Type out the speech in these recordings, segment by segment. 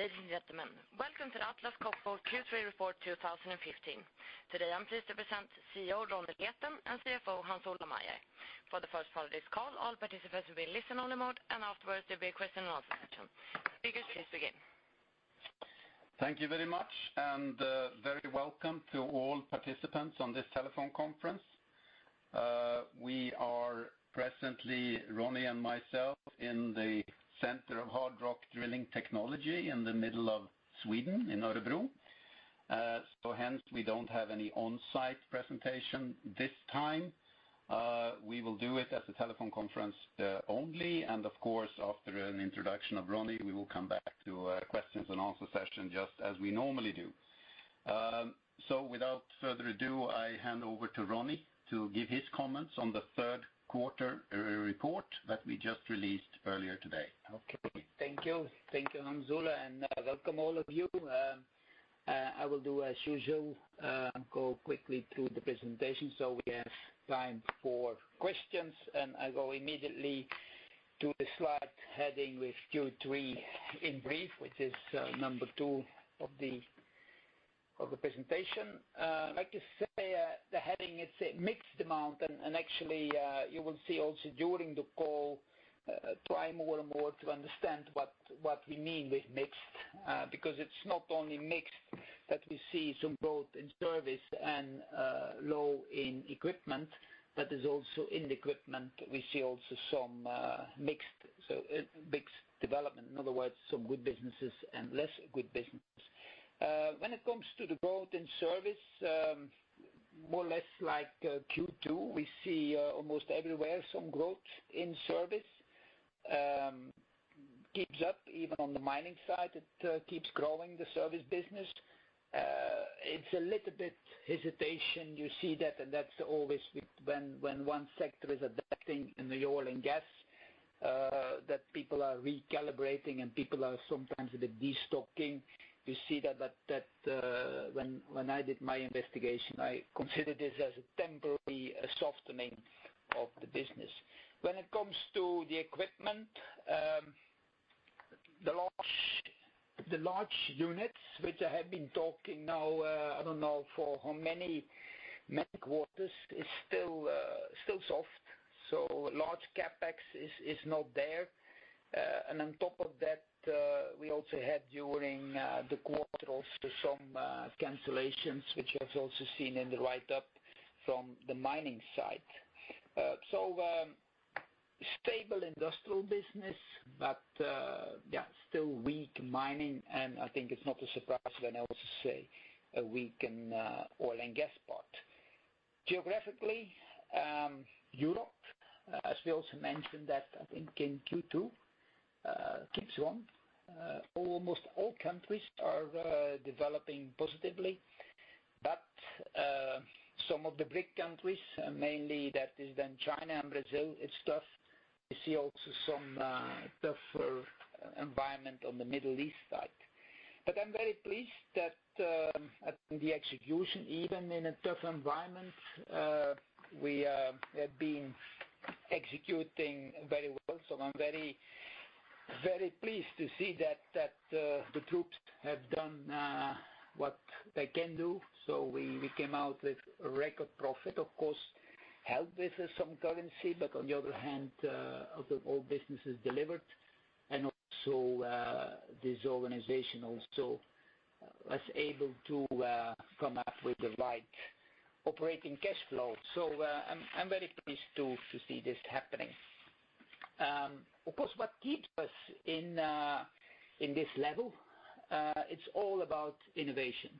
Ladies and gentlemen, welcome to the Atlas Copco Q3 report 2015. Today, I'm pleased to present CEO Ronnie Leten and CFO Hans Ola Meyer. For the first part of this call, all participants will be in listen-only mode, and afterwards there'll be a question and answer session. Viggo, please begin. Thank you very much, very welcome to all participants on this telephone conference. We are presently, Ronnie and myself, in the center of hard rock drilling technology in the middle of Sweden in Örebro. Hence we don't have any on-site presentation this time. We will do it as a telephone conference only, of course, after an introduction of Ronnie, we will come back to a questions and answer session just as we normally do. Without further ado, I hand over to Ronnie to give his comments on the third quarter report that we just released earlier today. Okay. Thank you. Thank you, Hans Ola, welcome all of you. I will do as usual, go quickly through the presentation so we have time for questions, I go immediately to the slide heading with Q3 in brief, which is number two of the presentation. I'd like to say the heading, it's a mixed amount, actually, you will see also during the call, try more and more to understand what we mean with mixed, because it's not only mixed that we see some growth in service and low in equipment, but is also in the equipment, we see also some mixed development. In other words, some good businesses and less good businesses. When it comes to the growth in service, more or less like Q2, we see almost everywhere some growth in service. Keeps up even on the mining side, it keeps growing the service business. It's a little bit hesitation. You see that always when one sector is adapting in the oil and gas, that people are recalibrating and people are sometimes a bit de-stocking. You see that when I did my investigation, I considered this as a temporary softening of the business. When it comes to the equipment, the large units, which I have been talking now, I don't know for how many quarters, is still soft. Large CapEx is not there. On top of that, we also had, during the quarter, also some cancellations, which was also seen in the write-up from the mining side. Stable industrial business but, yeah, still weak mining, I think it's not a surprise when I also say a weak oil and gas part. Geographically, Europe, as we also mentioned that, I think in Q2, keeps on. Almost all countries are developing positively. Some of the BRIC countries, mainly that is then China and Brazil, it's tough. We see some tougher environment on the Middle East side. I'm very pleased at the execution, even in a tough environment. We have been executing very well, I'm very pleased to see that the troops have done what they can do. We came out with a record profit, of course, helped with some currency, but on the other hand, all businesses delivered and this organization was able to come up with the right operating cash flow. I'm very pleased to see this happening. Of course, what keeps us in this level, it's all about innovation.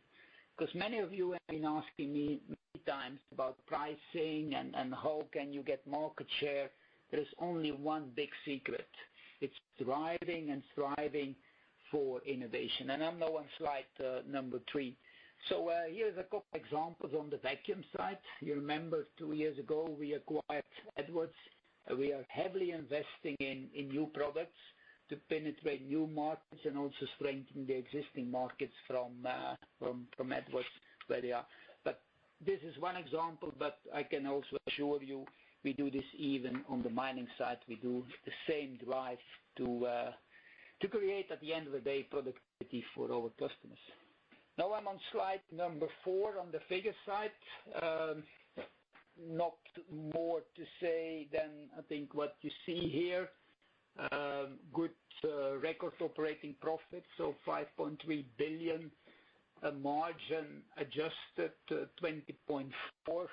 Many of you have been asking me many times about pricing and how can you get market share. There is only one big secret. It's thriving and striving for innovation, I'm now on slide number three. Here's a couple examples on the vacuum side. You remember two years ago, we acquired Edwards. We are heavily investing in new products to penetrate new markets and strengthen the existing markets from Edwards where they are. This is one example, but I can assure you we do this even on the mining side. We do the same drive to create at the end of the day productivity for our customers. I'm on slide number four on the figure side. Not more to say than I think what you see here. Good records operating profit, 5.3 billion. A margin adjusted to 20.4%.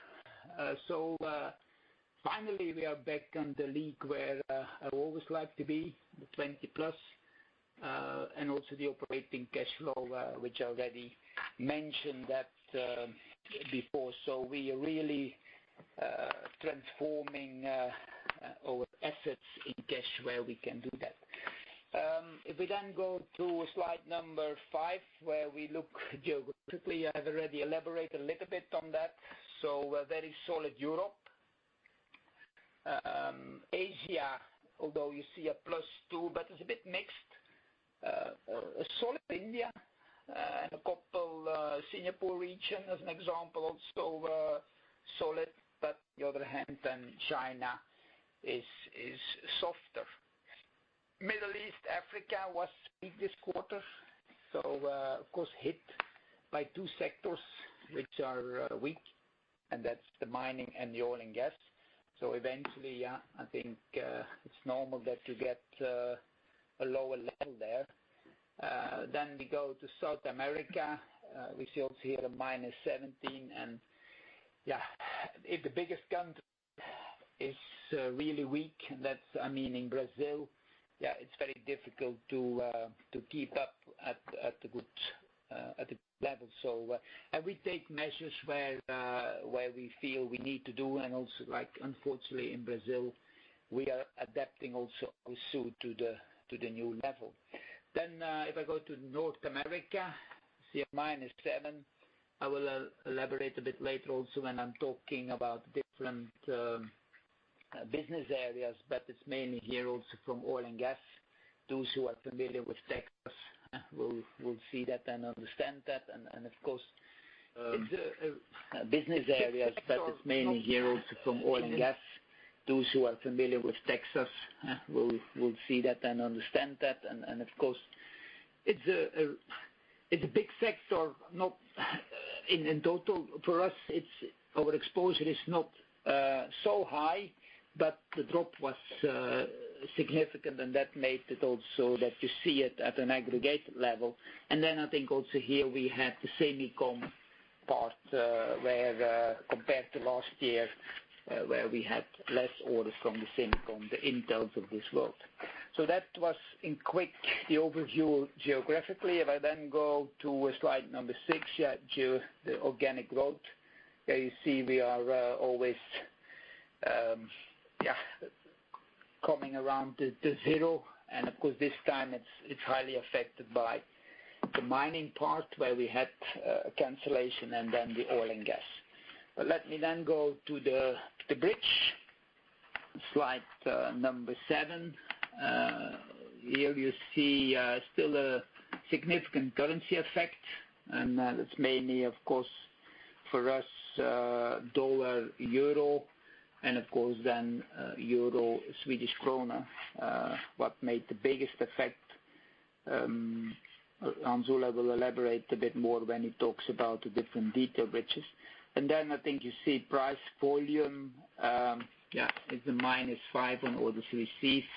Finally, we are back in the league where I always like to be, the 20-plus, and the operating cash flow, which I already mentioned before. We are really transforming our assets in cash where we can do that. If we go to slide number five, where we look geographically, I've already elaborated a little bit on that. A very solid Europe. Asia, although you see a +2%, but it's a bit mixed. A solid India, and a couple Singapore region as an example also solid, but on the other hand, China is softer. Middle East, Africa was weak this quarter. Of course, hit by two sectors which are weak, and that's the mining and the oil and gas. Eventually, I think it's normal that you get a lower level there. We go to South America. We see here a -17%, and the biggest country is really weak. In Brazil, it's very difficult to keep up at a good level. We take measures where we feel we need to do, and unfortunately in Brazil, we are adapting soon to the new level. If I go to North America, see a -7%. I will elaborate a bit later when I'm talking about different business areas, but it's mainly here from oil and gas. Those who are familiar with Texas will see that and understand that. Of course, it's a business area, but it's mainly here from oil and gas. Those who are familiar with Texas will see that and understand that, of course, it's a big sector, not in total for us, our exposure is not so high, but the drop was significant, and that made it that you see it at an aggregate level. I think also here we had the semicon part, where compared to last year, where we had less orders from the semicon, the Intels of this world. That was in quick, the overview geographically. I then go to slide number six, the organic growth. There you see we are always coming around to zero, and of course, this time it's highly affected by the mining part, where we had a cancellation, and then the oil and gas. Let me then go to the bridge, slide number seven. Here you see still a significant currency effect, and that's mainly, of course, for us, USD-EUR, and of course then EUR-Swedish krona, what made the biggest effect. Ola will elaborate a bit more when he talks about the different detail bridges. I think you see price volume, is a minus five on orders received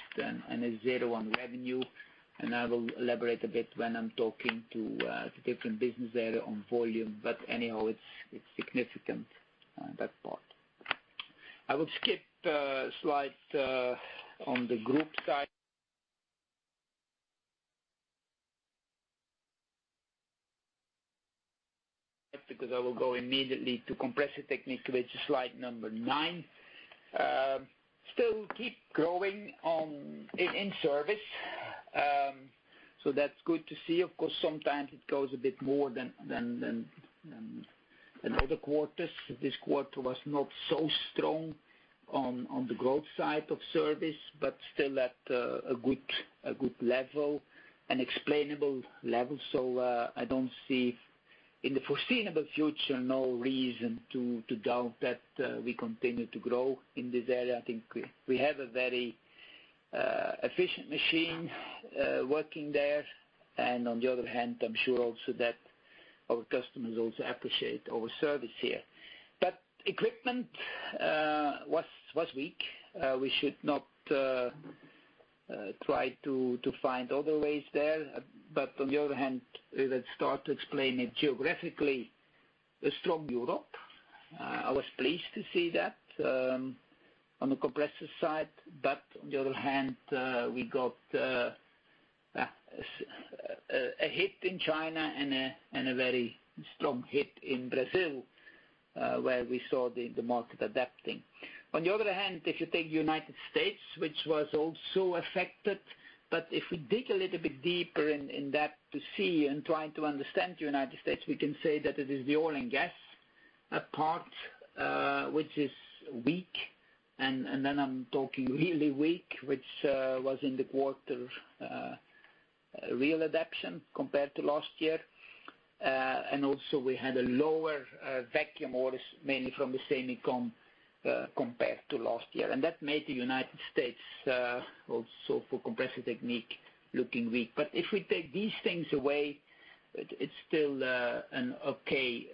and a zero on revenue. I will elaborate a bit when I'm talking to the different business area on volume. Anyhow, it's significant, that part. I will skip a slide on the group side. I will go immediately to Compressor Technique, which is slide number nine. Still keep growing in service, so that's good to see. Of course, sometimes it goes a bit more than other quarters. This quarter was not so strong on the growth side of service, but still at a good level, an explainable level. I don't see, in the foreseeable future, no reason to doubt that we continue to grow in this area. I think we have a very efficient machine working there. On the other hand, I'm sure also that our customers also appreciate our service here. Equipment was weak. We should not try to find other ways there. On the other hand, let's start to explain it geographically, a strong Europe. I was pleased to see that on the compressor side. On the other hand, we got a hit in China and a very strong hit in Brazil, where we saw the market adapting. On the other hand, if you take United States, which was also affected, but if we dig a little bit deeper in that to see and trying to understand United States, we can say that it is the oil and gas part, which is weak. I'm talking really weak, which was in the quarter, real adaption compared to last year. Also we had a lower vacuum orders, mainly from the semicon compared to last year. That made the United States also for Compressor Technique, looking weak. If we take these things away, it's still an okay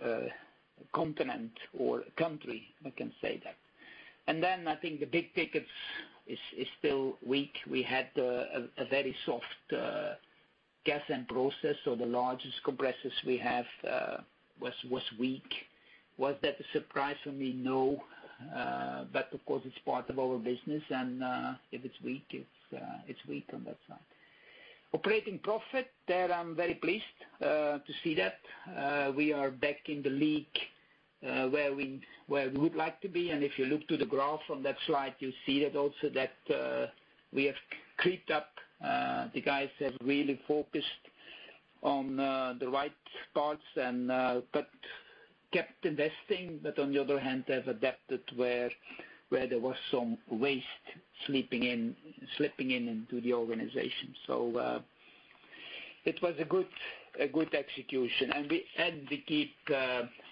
continent or country, I can say that. I think the big tickets is still weak. We had a very soft gas and process or the largest compressors we have was weak. Was that a surprise for me? No. Of course, it's part of our business, and if it's weak, it's weak on that side. Operating profit, there I'm very pleased to see that. We are back in the league where we would like to be, and if you look to the graph on that slide, you see that also that we have creeped up. The guys have really focused on the right spots but kept investing. On the other hand, they have adapted where there was some waste slipping into the organization. It was a good execution, and we had to keep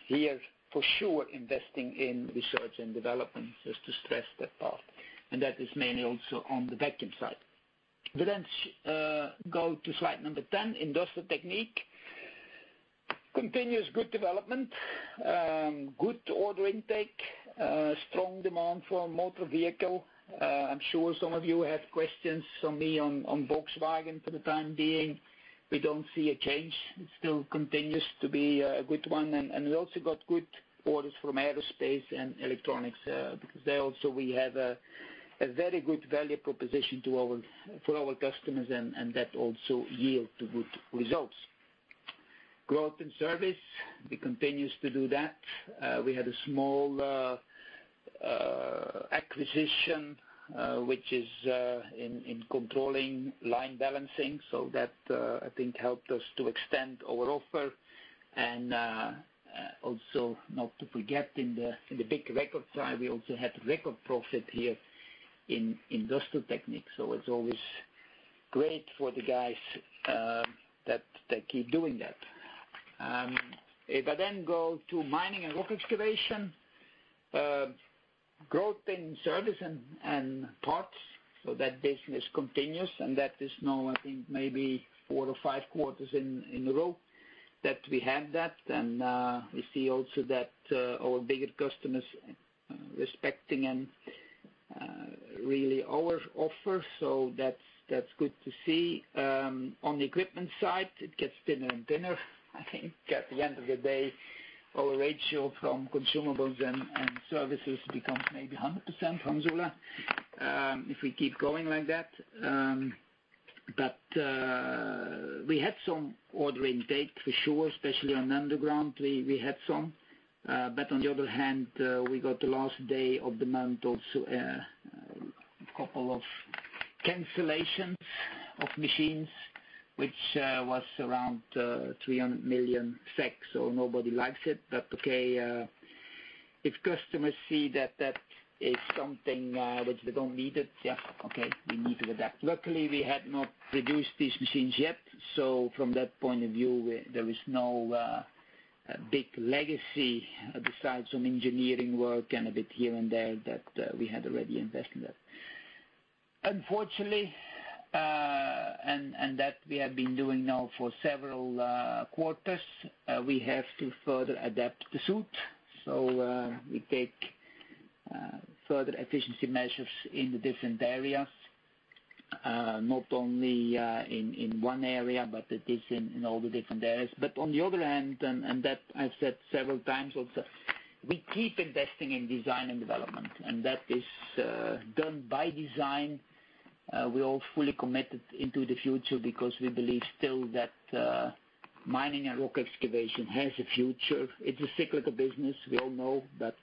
here for sure investing in research and development, just to stress that part. That is mainly also on the vacuum side. If I then go to slide 10, Industrial Technique. Continuous good development. Good order intake. Strong demand for motor vehicle. I'm sure some of you have questions for me on Volkswagen. For the time being, we don't see a change. It still continues to be a good one. We also got good orders from aerospace and electronics, because there also we have a very good value proposition for our customers, and that also yield to good results. Growth in service. We continues to do that. We had a small acquisition, which is in controlling line balancing. That, I think, helped us to extend our offer. Also not to forget in the big record slide, we also had record profit here in Industrial Technique. It's always great for the guys that they keep doing that. If I then go to Mining and Rock Excavation. Growth in service and parts. That business continues, and that is now, I think, maybe four or five quarters in a row that we have that. We see also that our bigger customers respecting and really our offer. That's good to see. On the equipment side, it gets thinner and thinner. I think at the end of the day, our ratio from consumables and services becomes maybe 100% from Ola, if we keep going like that. We had some order intake for sure, especially on underground, we had some. On the other hand, we got the last day of the month also a couple of cancellations of machines, which was around 300 million. Nobody likes it, but okay, if customers see that that is something which they don't need it, yeah, okay, we need to adapt. Luckily, we had not produced these machines yet, so from that point of view, there is no big legacy besides some engineering work and a bit here and there that we had already invested in. Unfortunately, that we have been doing now for several quarters, we have to further adapt the suit. We take further efficiency measures in the different areas. Not only in one area, but it is in all the different areas. On the other hand, and that I've said several times also, we keep investing in design and development, and that is done by design. We're all fully committed into the future because we believe still that Mining and Rock Excavation has a future. It's a cyclical business. We all know that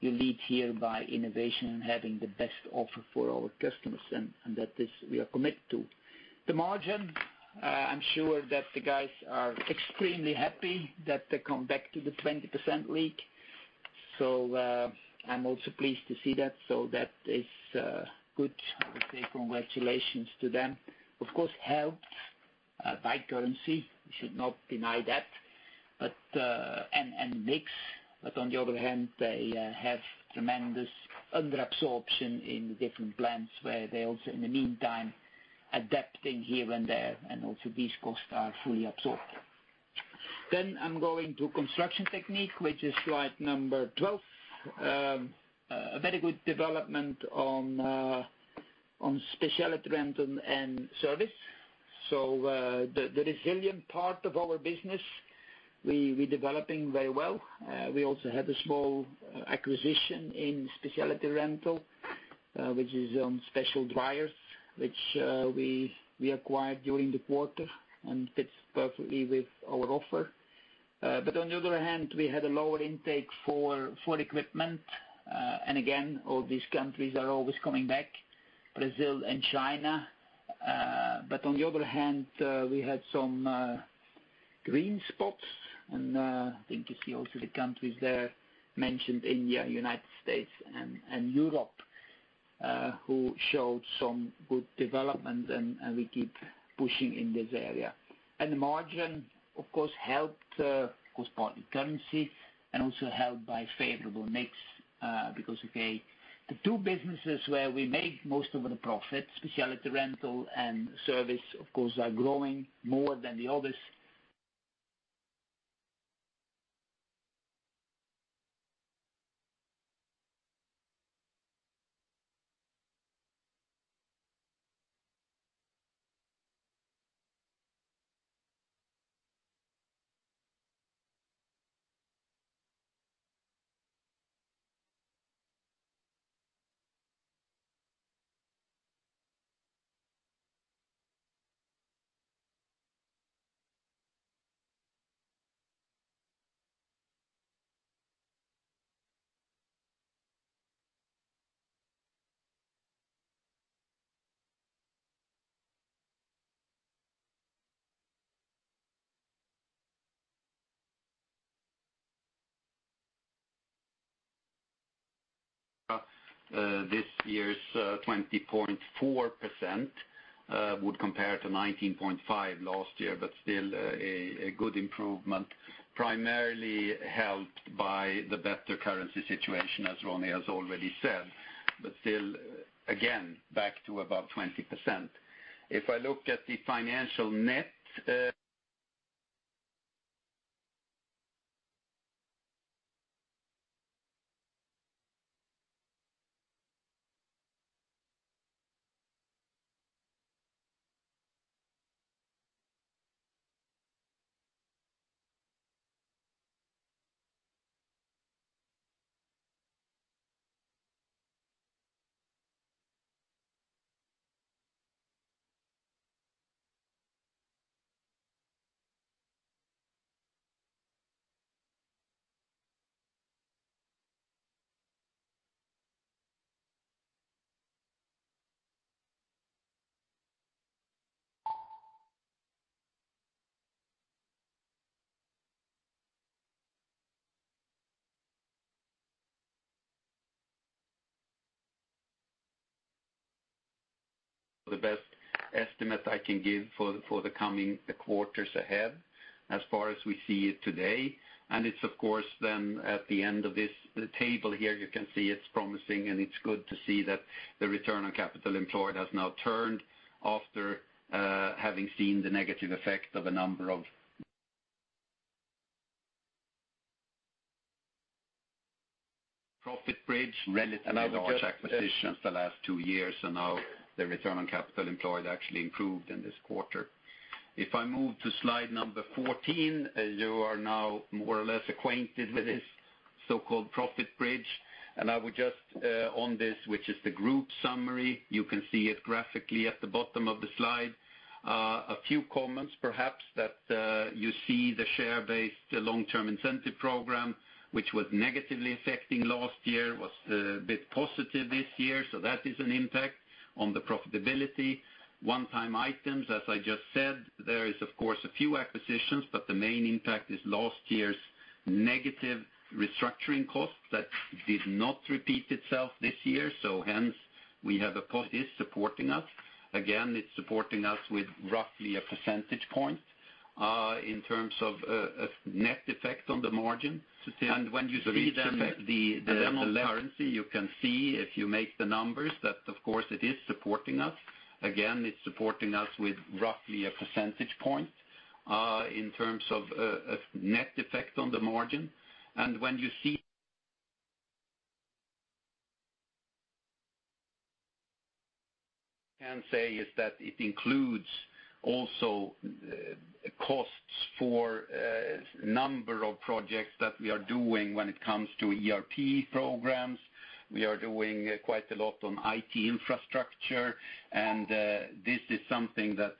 you lead here by innovation and having the best offer for our customers, and that we are committed to. The margin, I'm sure that the guys are extremely happy that they come back to the 20% league. I'm also pleased to see that. That is good. I would say congratulations to them. Of course, helped by currency, we should not deny that. Mix. On the other hand, they have tremendous under absorption in the different plants where they also in the meantime adapting here and there, and also these costs are fully absorbed. I'm going to Construction Technique, which is slide number 12. A very good development on specialty rental and service. The resilient part of our business, we're developing very well. We also had a small acquisition in specialty rental, which is on special dryers, which we acquired during the quarter and fits perfectly with our offer. On the other hand, we had a lower intake for equipment. Again, all these countries are always coming back, Brazil and China. On the other hand, we had some green spots, and I think you see also the countries there mentioned, India, United States, and Europe, who showed some good development, and we keep pushing in this area. The margin, of course, helped because partly currency and also helped by favorable mix, because, okay, the two businesses where we make most of the profit, specialty rental and service, of course, are growing more than the others. This year's 20.4% would compare to 19.5% last year, still a good improvement, primarily helped by the better currency situation, as Ronnie has already said. Still, again, back to about 20%. If I look at the financial net. The best estimate I can give for the coming quarters ahead, as far as we see it today, it's of course then at the end of this table here, you can see it's promising and it's good to see that the return on capital employed has now turned after having seen the negative effect of a number of profit bridge relatively large acquisitions the last two years, and now the return on capital employed actually improved in this quarter. If I move to slide number 14, you are now more or less acquainted with this so-called profit bridge. I would just on this, which is the group summary, you can see it graphically at the bottom of the slide. A few comments perhaps that you see the share-based long-term incentive program, which was negatively affecting last year, was a bit positive this year, that is an impact on the profitability. One-time items, as I just said, there is of course a few acquisitions, the main impact is last year's negative restructuring costs that did not repeat itself this year, hence we have. It is supporting us. Again, it's supporting us with roughly a percentage point, in terms of net effect on the margin. When you see the currency, you can see if you make the numbers, that of course it is supporting us. Again, it's supporting us with roughly a percentage point, in terms of net effect on the margin. It includes also costs for a number of projects that we are doing when it comes to ERP programs. We are doing quite a lot on IT infrastructure, and this is something that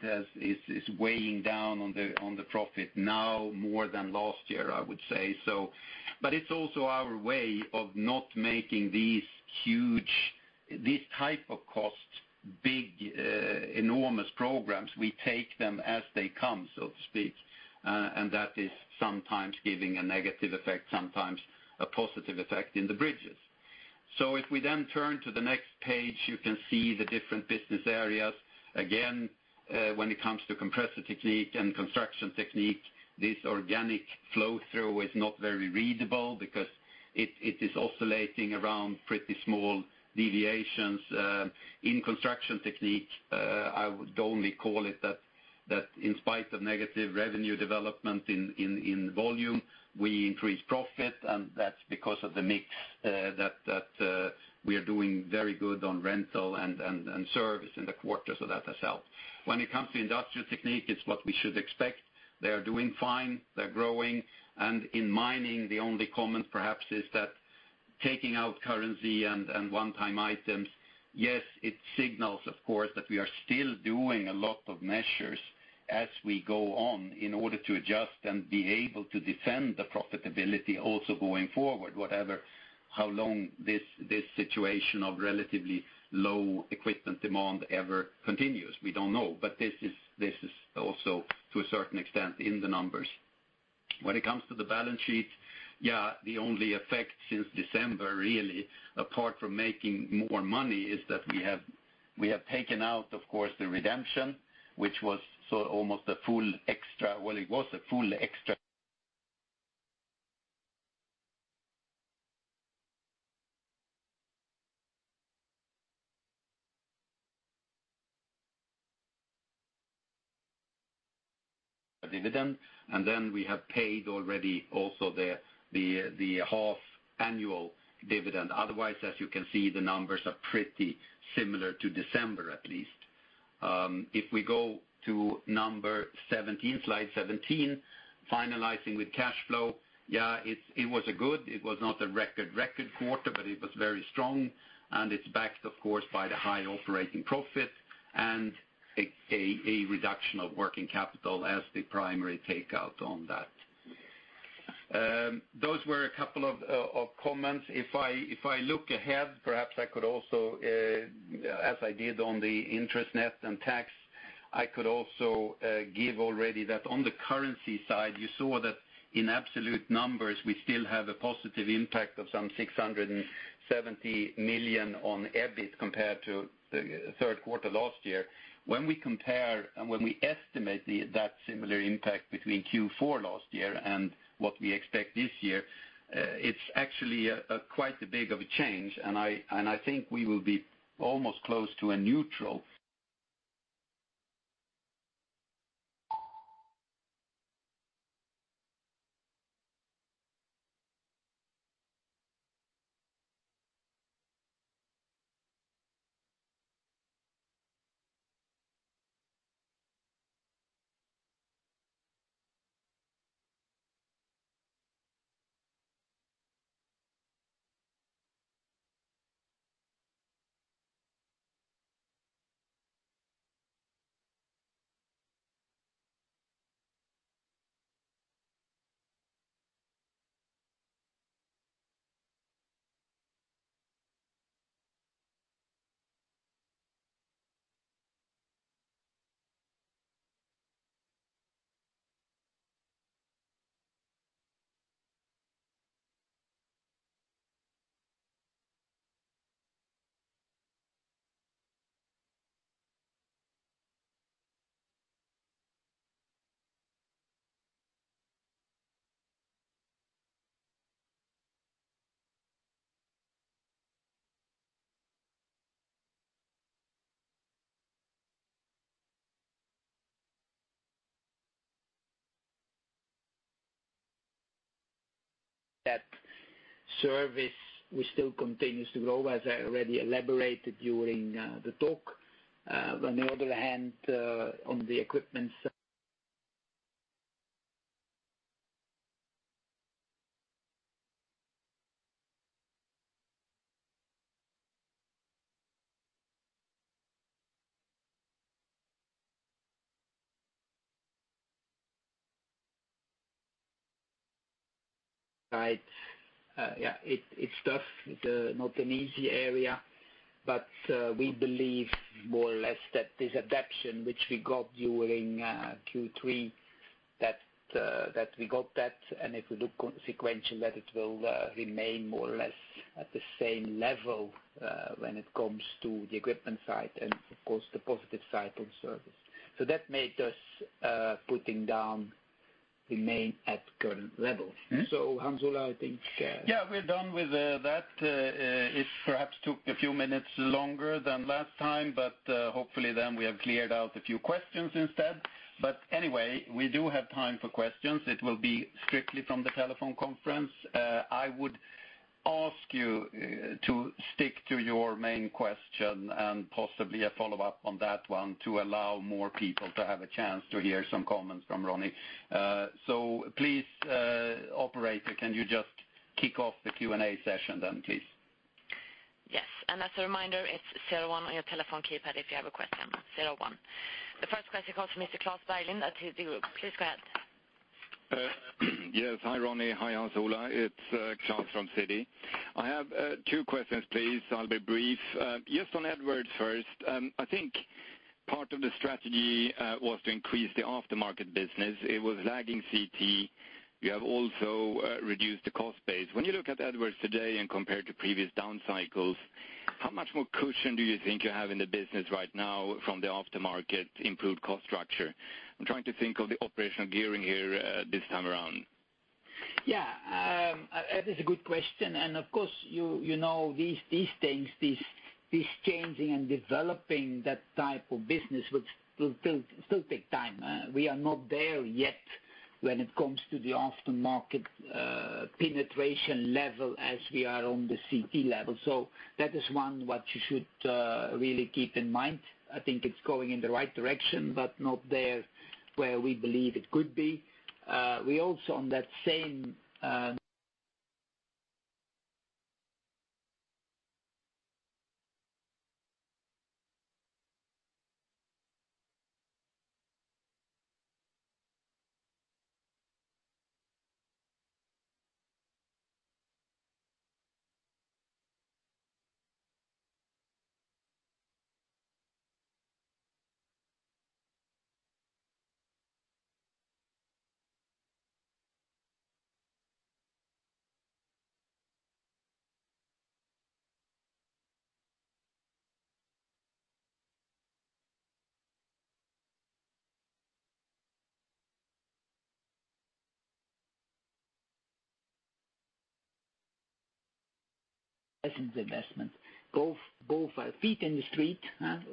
is weighing down on the profit now more than last year, I would say. It's also our way of not making these type of costs, big, enormous programs. We take them as they come, so to speak. That is sometimes giving a negative effect, sometimes a positive effect in the bridges. If we then turn to the next page, you can see the different business areas. Again, when it comes to Compressor Technique and Construction Technique, this organic flow-through is not very readable because it is oscillating around pretty small deviations. In Construction Technique, I would only call it that in spite of negative revenue development in volume, we increased profit, that's because of the mix that we are doing very good on rental and service in the quarter, that has helped. When it comes to Industrial Technique, it's what we should expect. They are doing fine. They're growing. In mining, the only comment perhaps is that taking out currency and one-time items, yes, it signals, of course, that we are still doing a lot of measures as we go on in order to adjust and be able to defend the profitability also going forward, whatever, how long this situation of relatively low equipment demand ever continues. We don't know. This is also to a certain extent in the numbers. When it comes to the balance sheet, the only effect since December really, apart from making more money, is that we have taken out, of course, the redemption, which was a full extra dividend. We have paid already also the half-annual dividend. As you can see, the numbers are pretty similar to December, at least. If we go to number 17, slide 17, finalizing with cash flow. It was good. It was not a record quarter, it was very strong, it's backed, of course, by the high operating profit and a reduction of working capital as the primary takeout on that. Those were a couple of comments. If I look ahead, perhaps I could also, as I did on the interest net and tax I could also give already that on the currency side, you saw that in absolute numbers, we still have a positive impact of some 670 million on EBIT compared to the third quarter last year. When we compare and when we estimate that similar impact between Q4 last year and what we expect this year, it's actually quite a big of a change, I think we will be almost close to a neutral. That service, which still continues to grow, as I already elaborated during the talk. On the other hand, on the equipment side, it's tough. It's not an easy area. We believe more or less that this adaptation, which we got during Q3, that we got that, and if we look sequentially, that it will remain more or less at the same level when it comes to the equipment side and of course, the positive side on service. That made us putting down remain at current level. Hans Ola, I think. We're done with that. It perhaps took a few minutes longer than last time, hopefully then we have cleared out a few questions instead. Anyway, we do have time for questions. It will be strictly from the telephone conference. I would ask you to stick to your main question and possibly a follow-up on that one to allow more people to have a chance to hear some comments from Ronnie. Please, operator, can you just kick off the Q&A session then, please? Yes. As a reminder, it's 01 on your telephone keypad if you have a question, 01. The first question comes from Mr. Klas Bergelind at SEB Group. Please go ahead. Yes. Hi, Ronnie. Hi, Hans Ola. It's Klas from SEB. I have two questions, please. I'll be brief. Just on Edwards first. I think part of the strategy was to increase the aftermarket business. It was lagging CT. You have also reduced the cost base. When you look at Edwards today and compare to previous down cycles, how much more cushion do you think you have in the business right now from the aftermarket improved cost structure? I'm trying to think of the operational gearing here this time around. Yeah. Of course, you know these things, this changing and developing that type of business will still take time. We are not there yet when it comes to the aftermarket penetration level as we are on the CT level. That is one what you should really keep in mind. I think it's going in the right direction, but not there where we believe it could be. We also on that same essence investment, both feet in the street.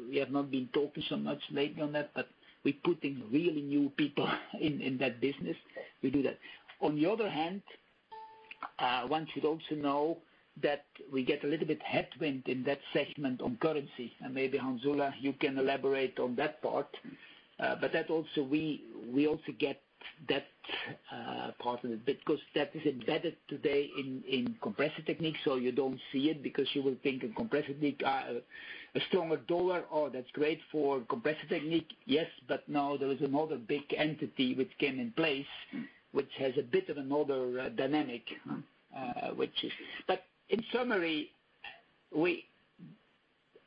We have not been talking so much lately on that, but we're putting really new people in that business. We do that. On the other hand, one should also know that we get a little bit headwind in that segment on currency, and maybe Hans Ola, you can elaborate on that part. That also we also get that part of it because that is embedded today in Compressor Technique, so you don't see it because you will think of Compressor Technique, a stronger dollar, Oh, that's great for Compressor Technique. There is another big entity which came in place, which has a bit of another dynamic. In summary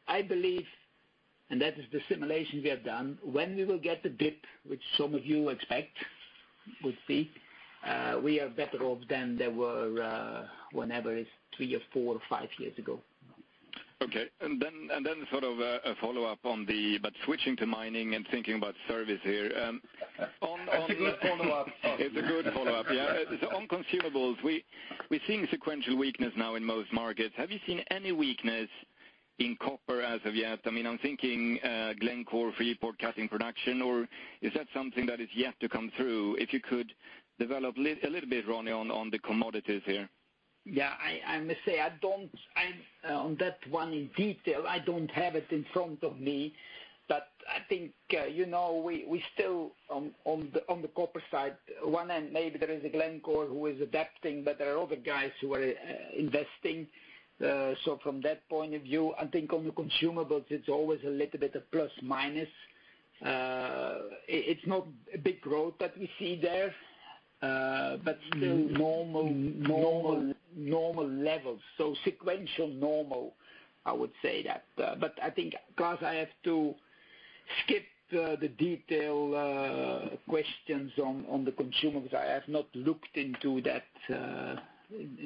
I believe, and that is the simulation we have done, when we will get the dip, which some of you expect would be, we are better off than they were whenever it's three or four or five years ago. Okay. Sort of a follow-up, switching to mining and thinking about service here. That's a good follow-up. It's a good follow-up, yeah. On consumables, we're seeing sequential weakness now in most markets. Have you seen any weakness in copper as of yet? I'm thinking Glencore cutting production, or is that something that is yet to come through? If you could develop a little bit, Ronnie, on the commodities here. Yeah. I must say, on that one in detail, I don't have it in front of me. I think we still, on the copper side, one end, maybe there is a Glencore who is adapting, but there are other guys who are investing. From that point of view, I think on the consumables, it's always a little bit of plus, minus. It's not a big growth that we see there, but still normal levels. Sequential normal, I would say that. I think, Claes Rådström, I have to skip the detail questions on the consumables. I have not looked into that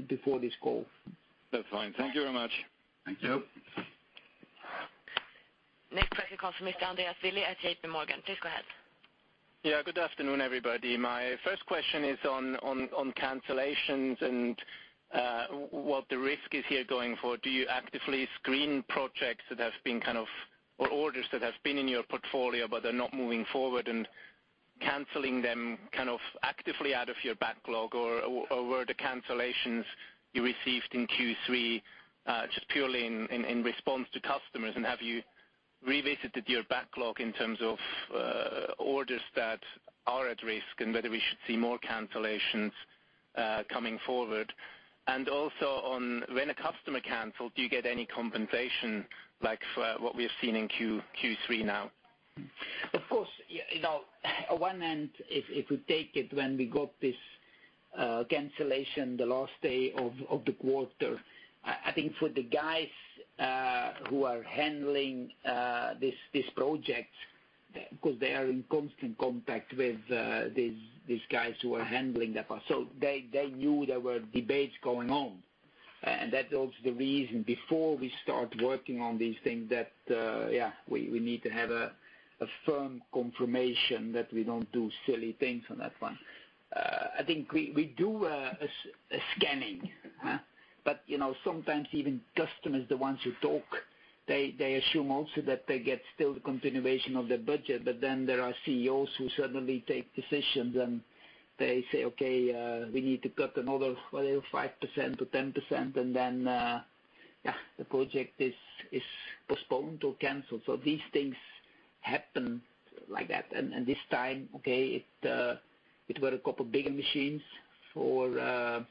before this call. That's fine. Thank you very much. Thank you. Next question comes from Andreas Thilly at JP Morgan. Please go ahead. Yeah, good afternoon, everybody. My first question is on cancellations and what the risk is here going forward. Do you actively screen projects that have been kind of, or orders that have been in your portfolio, but they're not moving forward and canceling them kind of actively out of your backlog? Were the cancellations you received in Q3 just purely in response to customers? Have you revisited your backlog in terms of orders that are at risk and whether we should see more cancellations coming forward? Also, on when a customer cancels, do you get any compensation, like for what we've seen in Q3 now? Of course. On one end, if we take it when we got this cancellation the last day of the quarter, I think for the guys who are handling this project, because they are in constant contact with these guys who are handling that part. They knew there were debates going on, and that's also the reason before we start working on these things that, yeah, we need to have a firm confirmation that we don't do silly things on that one. I think we do a scanning. Sometimes even customers, the ones who talk, they assume also that they get still the continuation of the budget. Then there are CEOs who suddenly take decisions and they say, "Okay, we need to cut another, whatever, 5%-10%," and then, yeah, the project is postponed or canceled. These things happen like that. This time, okay, it were a couple bigger machines for ADS,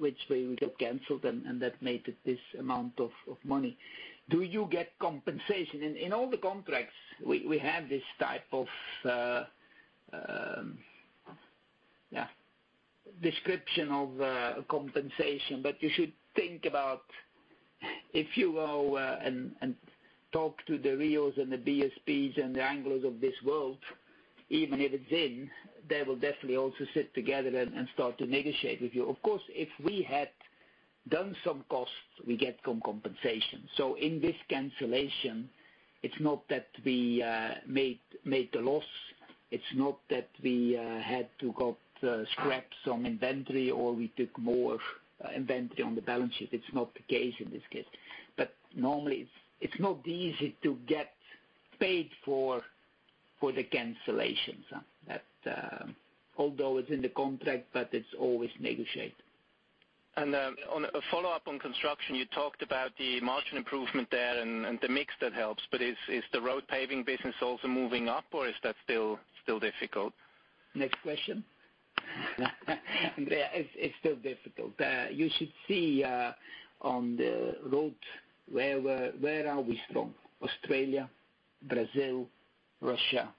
which we got canceled, and that made it this amount of money. Do you get compensation? In all the contracts we have this type of, yeah, description of compensation. You should think about if you go and talk to the Rios and the BHP and the Anglos of this world, even if it's in, they will definitely also sit together and start to negotiate with you. Of course, if we had done some costs, we get compensation. In this cancellation, it's not that we made the loss. It's not that we had to go scrap some inventory, or we took more inventory on the balance sheet. It's not the case in this case. Normally, it's not easy to get paid for the cancellations. Although it's in the contract, but it's always negotiated. On a follow-up on Construction, you talked about the margin improvement there and the mix that helps. Is the road paving business also moving up, or is that still difficult? Next question. Andreas, it's still difficult. You should see on the road, where are we strong? Australia, Brazil, Russia,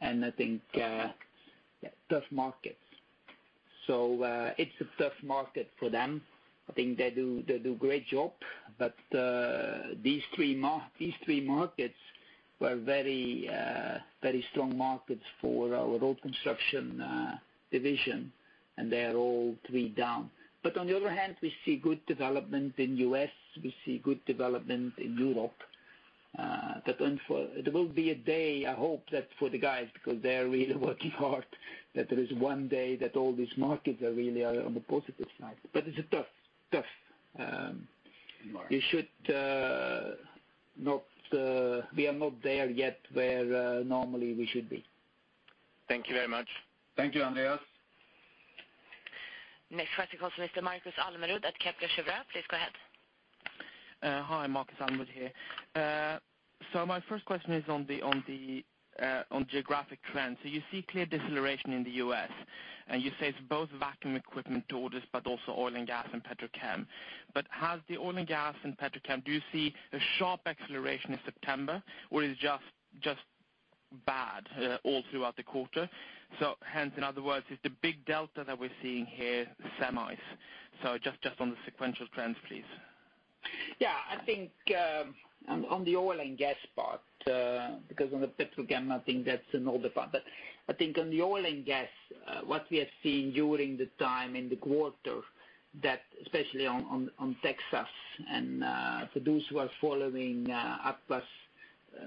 and I think, yeah, tough markets. It's a tough market for them. I think they do a great job. These three markets were very strong markets for our road construction division, and they are all three down. On the other hand, we see good development in U.S., we see good development in Europe. There will be a day, I hope, that for the guys, because they are really working hard, that there is one day that all these markets are really on the positive side. It's tough. Market. We are not there yet where normally we should be. Thank you very much. Thank you, Andreas. Next question comes from Mr. Markus Almerud at Kepler Cheuvreux. Please go ahead. Hi, Markus Almerud here. My first question is on geographic trends. You see clear deceleration in the U.S., and you say it's both vacuum equipment orders, but also oil and gas and petrochem. Has the oil and gas and petrochem, do you see a sharp acceleration in September, or is just bad all throughout the quarter? Hence, in other words, is the big delta that we're seeing here semis? Just on the sequential trends, please. I think on the oil and gas part. On the petrochemical, I think that's another part. I think on the oil and gas, what we have seen during the time in the quarter that, especially on Texas and for those who are following Atlas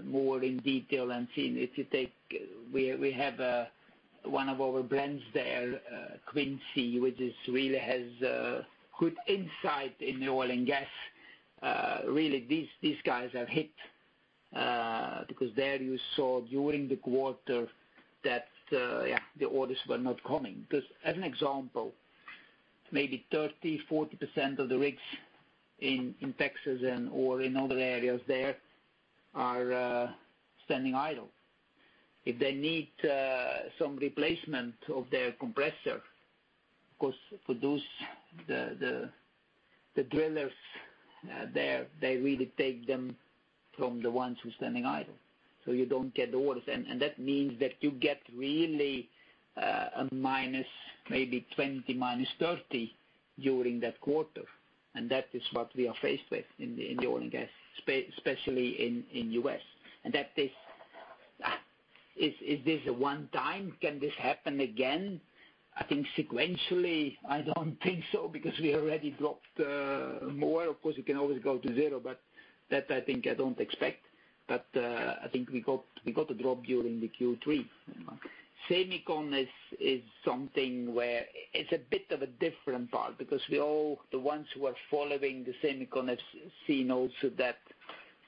more in detail and seeing if you take, we have one of our brands there, Quincy, which really has a good insight in the oil and gas. Really, these guys are hit because there you saw during the quarter that the orders were not coming. As an example, maybe 30%-40% of the rigs in Texas or in other areas there are standing idle. If they need some replacement of their compressor, of course, for those, the drillers there, they really take them from the ones who are standing idle, so you don't get the orders. That means that you get really a minus maybe 20, -30 during that quarter. That is what we are faced with in the oil and gas, especially in U.S. Is this a one time? Can this happen again? I think sequentially, I don't think so, because we already dropped more. Of course, we can always go to zero, but that I think I don't expect, but I think we got a drop during the Q3. Semiconductor is something where it's a bit of a different part because we all, the ones who are following the semiconductor scene also that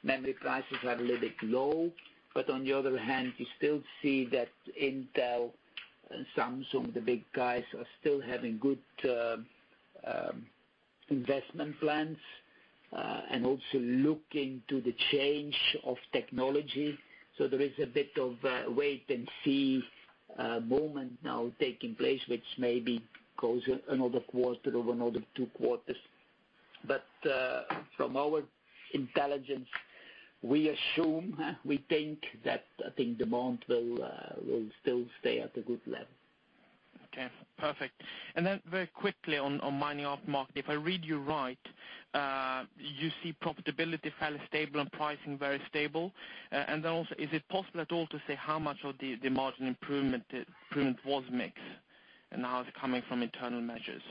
memory prices are a little bit low, but on the other hand, you still see that Intel and Samsung, the big guys, are still having good investment plans and also looking to the change of technology. There is a bit of a wait and see moment now taking place, which maybe goes another quarter or another two quarters. From our intelligence, we assume, we think that, I think demand will still stay at a good level. Okay, perfect. Then very quickly on mining aftermarket, if I read you right, you see profitability fairly stable and pricing very stable. Then also, is it possible at all to say how much of the margin improvement was mix, and how it's coming from internal measures?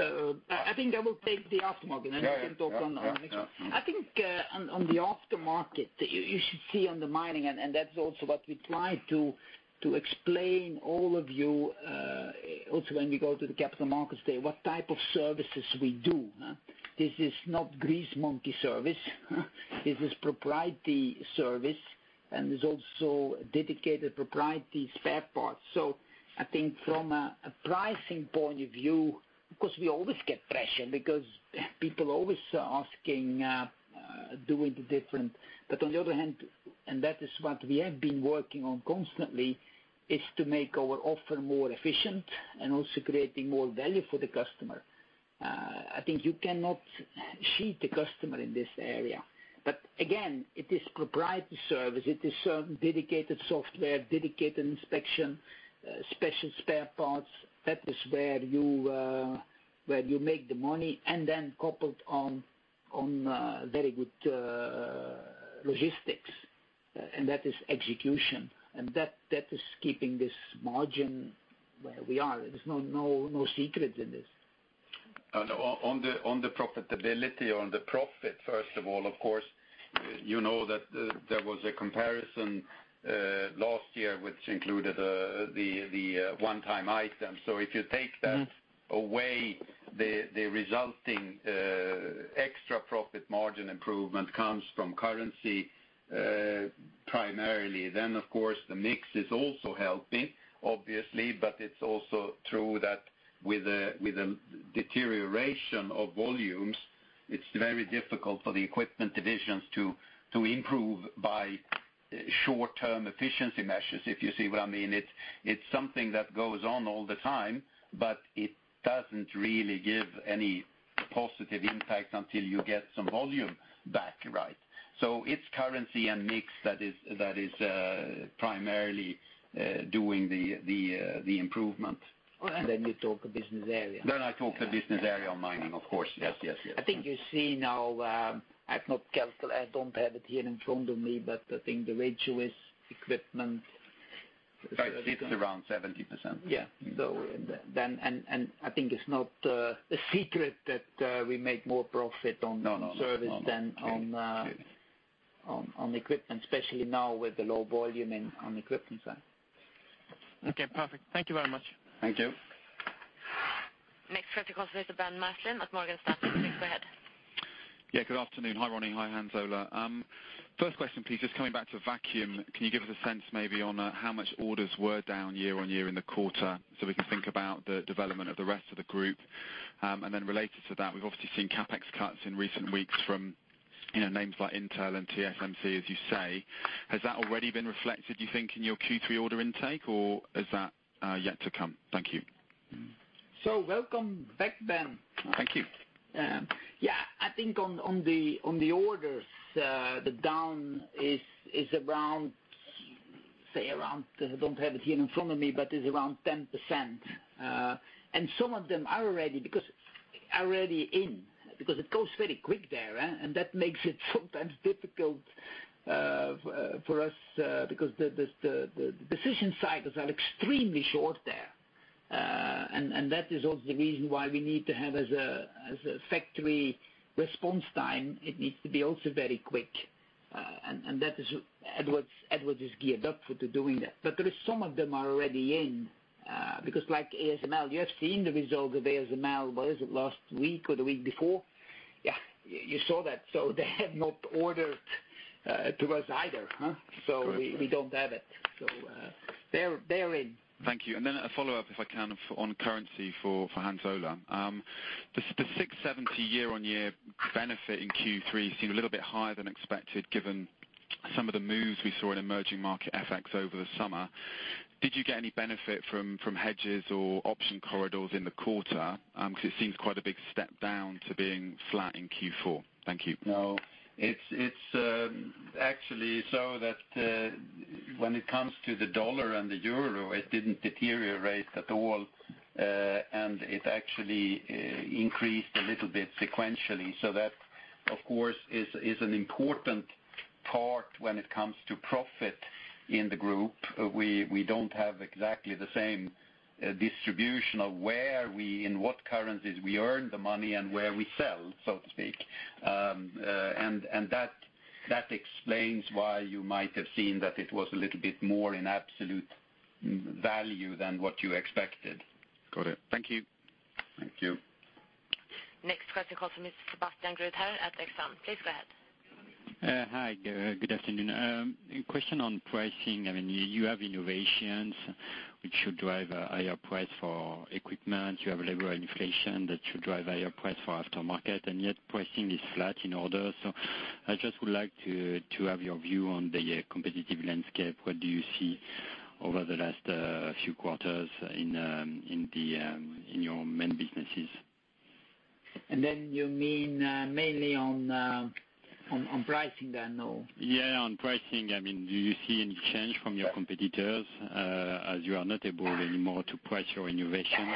I think I will take the aftermarket and then you can talk on the mix. Yeah. I think on the aftermarket that you should see on the mining, and that's also what we try to explain all of you, also when we go to the Capital Markets Day, what type of services we do. This is not grease monkey service. This is proprietary service, and there's also dedicated proprietary spare parts. I think from a pricing point of view, because we always get pressure because people always are asking, doing the different. On the other hand, and that is what we have been working on constantly, is to make our offer more efficient and also creating more value for the customer. I think you cannot cheat the customer in this area. Again, it is proprietary service. It is certain dedicated software, dedicated inspection, special spare parts. That is where you make the money and then coupled on very good logistics. That is execution. That is keeping this margin where we are. There's no secret in this. On the profitability, on the profit, first of all, of course, you know that there was a comparison, last year, which included the one-time item. If you take that away, the resulting extra profit margin improvement comes from currency primarily. Of course the mix is also helping, obviously, but it's also true that with the deterioration of volumes, it's very difficult for the equipment divisions to improve by short-term efficiency measures, if you see what I mean. It's something that goes on all the time, but it doesn't really give any positive impact until you get some volume back. It's currency and mix that is primarily doing the improvement. Then you talk a business area. I talk a business area on mining, of course. Yes. I think you see now, I've not calculate, I don't have it here in front of me, I think the ratio is equipment- It's around 70%. Yeah. I think it's not a secret that we make more profit on- No service than on equipment, especially now with the low volume on equipment side. Okay, perfect. Thank you very much. Thank you. Next for a call is Ben Mattlin at Morgan Stanley. Please go ahead. Good afternoon. Hi, Ronnie. Hi, Hans Ola. First question, please, just coming back to vacuum, can you give us a sense maybe on how much orders were down year on year in the quarter so we can think about the development of the rest of the group? Related to that, we've obviously seen CapEx cuts in recent weeks from names like Intel and TSMC, as you say. Has that already been reflected, do you think, in your Q3 order intake, or is that yet to come? Thank you. Welcome back, Ben. Thank you. I think on the orders, the down is around, I don't have it here in front of me, but is around 10%. Some of them are already in because it goes very quick there, and that makes it sometimes difficult for us because the decision cycles are extremely short there. That is also the reason why we need to have, as a factory response time, it needs to be also very quick. That is what Edwards is geared up for to doing that. There is some of them are already in, because like ASML, you have seen the result of ASML, was it last week or the week before? You saw that. They have not ordered to us either. We don't have it. They're in. Thank you. Then a follow-up, if I can, on currency for Hans Ola. The 6.70 year-on-year benefit in Q3 seemed a little bit higher than expected given some of the moves we saw in emerging market FX over the summer. Did you get any benefit from hedges or option corridors in the quarter? Because it seems quite a big step down to being flat in Q4. Thank you. No. It's actually so that when it comes to the dollar and the euro, it didn't deteriorate at all, and it actually increased a little bit sequentially. That, of course, is an important part when it comes to profit in the group. We don't have exactly the same distribution of where we, in what currencies we earn the money and where we sell, so to speak. That explains why you might have seen that it was a little bit more in absolute value than what you expected. Got it. Thank you. Thank you. Next question comes from Sebastian Kuenne at Exane. Please go ahead. Hi, good afternoon. Question on pricing. You have innovations which should drive a higher price for equipment. You have labor and inflation that should drive higher price for aftermarket, yet pricing is flat in orders. I just would like to have your view on the competitive landscape. What do you see over the last few quarters in your main businesses? You mean mainly on pricing then, or? Yeah, on pricing. Do you see any change from your competitors, as you are not able anymore to price your innovations?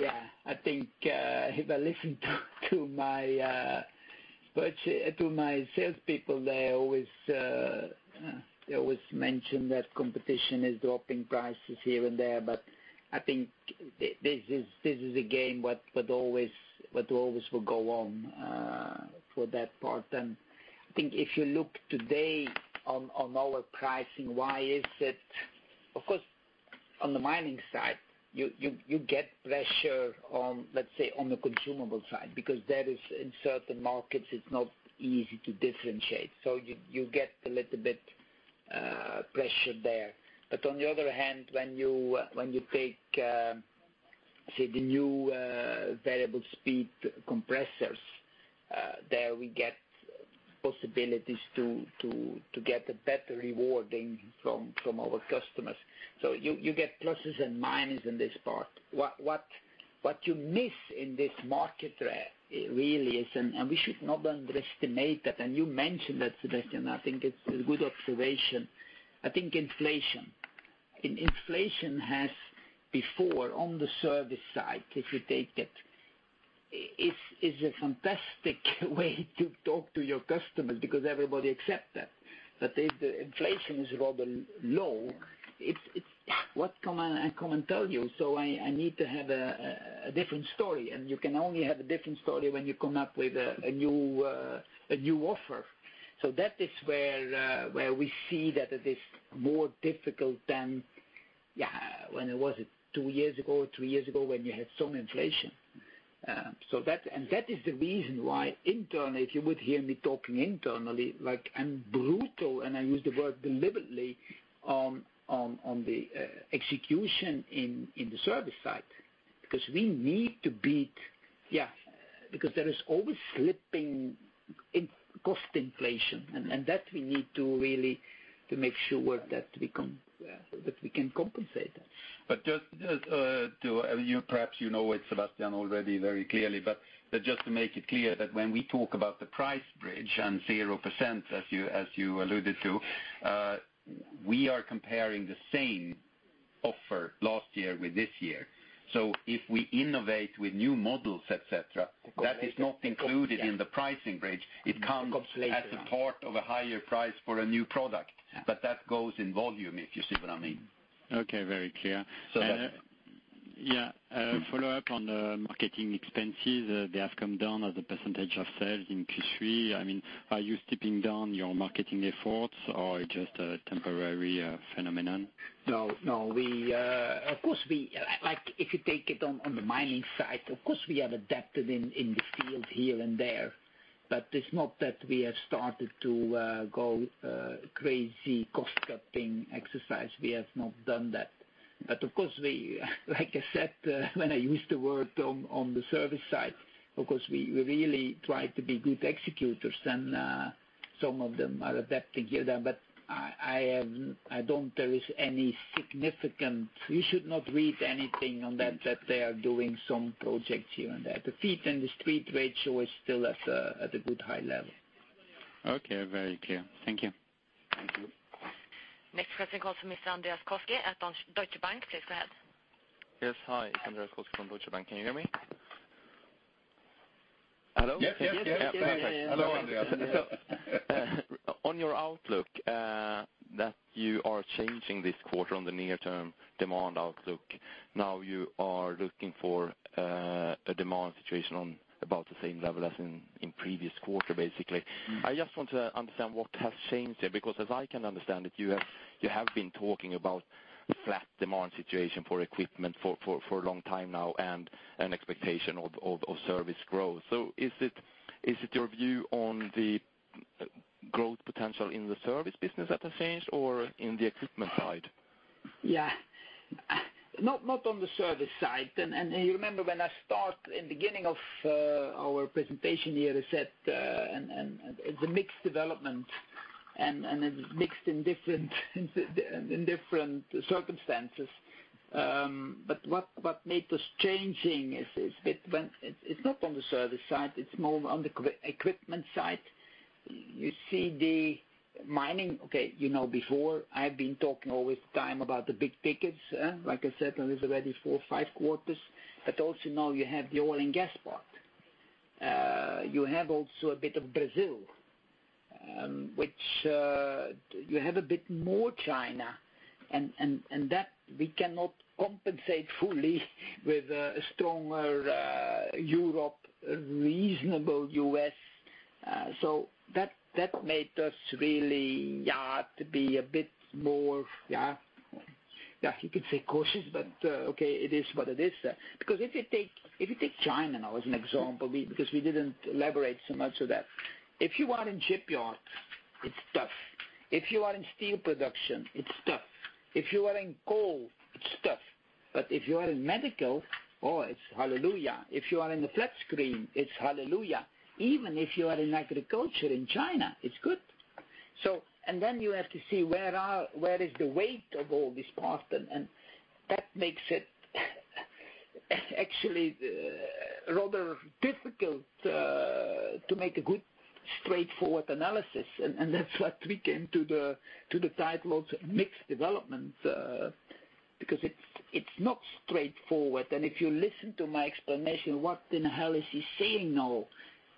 Yeah. I think, if I listen to my salespeople, they always mention that competition is dropping prices here and there. I think this is a game what always will go on for that part. I think if you look today on our pricing, why is it, of course, on the mining side, you get pressure on, let's say, on the consumable side, because that is in certain markets, it's not easy to differentiate. You get a little bit pressure there. On the other hand, when you take, say, the new variable speed compressors, there we get possibilities to get a better rewarding from our customers. You get pluses and minuses in this part. What you miss in this market really is, and we should not underestimate that, and you mentioned that, Sebastian, I think it's a good observation. I think inflation. Inflation has before, on the service side, if you take it, is a fantastic way to talk to your customers because everybody accepts that. If the inflation is rather low, what I come and tell you, so I need to have a different story, and you can only have a different story when you come up with a new offer. That is where we see that it is more difficult than, when was it? Two years ago or three years ago when you had some inflation. That is the reason why internally, if you would hear me talking internally, I'm brutal, and I use the word deliberately, on the execution in the service side. Because there is always slipping in cost inflation, and that we need to really to make sure that we can compensate that. Just to, perhaps you know it, Sebastian, already very clearly, but just to make it clear that when we talk about the price bridge and 0%, as you alluded to, we are comparing the same offer last year with this year. If we innovate with new models, et cetera, that is not included in the pricing bridge. It comes as a part of a higher price for a new product, but that goes in volume, if you see what I mean. Okay. Very clear. So that- Yeah. A follow-up on the marketing expenses. They have come down as a percentage of sales in Q3. Are you stepping down your marketing efforts, or it's just a temporary phenomenon? No. If you take it on the mining side, of course, we have adapted in the field here and there, but it's not that we have started to go crazy cost-cutting exercise. We have not done that. Of course, we, like I said, when I used the word on the service side, of course, we really try to be good executors and Some of them are adapting here there, but I don't think there is any significant. You should not read anything on that they are doing some projects here and there. The feet and the street ratio is still at a good high level. Okay. Very clear. Thank you. Thank you. Next question comes from Mr. Andreas Koski at Deutsche Bank. Please go ahead. Yes. Hi, Andreas Koski from Deutsche Bank. Can you hear me? Hello? Yes. Hello, Andreas. On your outlook, that you are changing this quarter on the near-term demand outlook. Now you are looking for a demand situation on about the same level as in previous quarter, basically. I just want to understand what has changed there, because as I can understand it, you have been talking about flat demand situation for equipment for a long time now and an expectation of service growth. Is it your view on the growth potential in the service business that has changed or in the equipment side? Yeah. Not on the service side. You remember when I start in beginning of our presentation here, I said, and the mixed development, and it mixed in different circumstances. What made us changing is a bit, it's not on the service side, it's more on the equipment side. You see the mining, okay, before I've been talking all the time about the big tickets, like I said, it was already four or five quarters, but also now you have the oil and gas part. You have also a bit of Brazil, which you have a bit more China, that we cannot compensate fully with a stronger Europe, reasonable U.S. That made us really to be a bit more, you could say cautious, but okay, it is what it is. If you take China now as an example, because we didn't elaborate so much of that. If you are in shipyard, it's tough. If you are in steel production, it's tough. If you are in coal, it's tough. If you are in medical, oh, it's hallelujah. If you are in the flat screen, it's hallelujah. Even if you are in agriculture in China, it's good. Then you have to see where is the weight of all this part, and that makes it actually rather difficult to make a good straightforward analysis. That's what we came to the title of mixed development, because it's not straightforward. If you listen to my explanation, what in the hell is he saying now?